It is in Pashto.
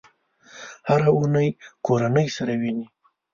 هره اونۍ کورنۍ سره وینم